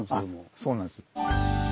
そうなんです。